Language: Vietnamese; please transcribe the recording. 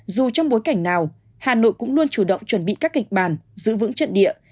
dù trong bối cảnh nào hà nội cũng luôn chủ động chuẩn bị các kịch bản giữ vững trận địa